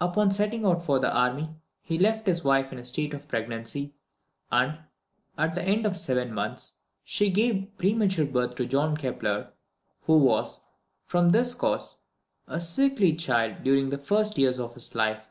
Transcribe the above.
Upon setting out for the army, he left his wife in a state of pregnancy; and, at the end of seven months, she gave premature birth to John Kepler, who was, from this cause, a sickly child during the first years of his life.